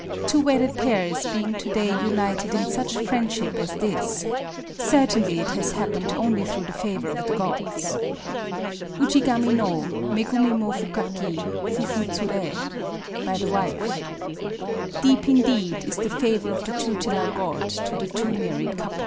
Two wedded pairs being to^ay united in such friendship as thisj — certainly it has happened only through the favour of the Gods! Ujigami no Megumi mo fukaki Fufu zure. — By the w^e. Deep indeed is the favour of the tutelar God to the two nunr* ried couples.